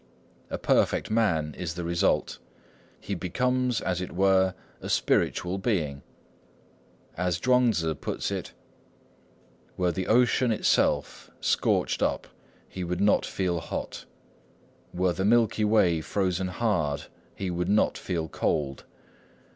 A perfect man is the result. He becomes, as it were, a spiritual being. As Chuang Tzŭ puts it:— "Were the ocean itself scorched up, he would not feel hot. Were the Milky Way frozen hard, he would not feel cold.